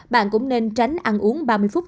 bạn cũng nên tránh ăn uống ba mươi phút